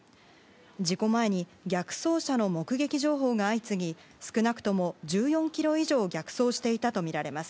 事故前に逆走車の目撃情報が相次ぎ少なくとも１４ｋｍ以上逆走していたとみられます。